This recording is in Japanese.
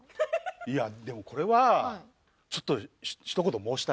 いやでもこれはちょっとひと言申したい。